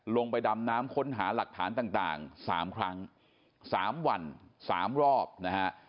ลงไปดำน้ำค้นหาหลักฐานต่าง๓ครั้ง๓วัน๓รอบนะฮะ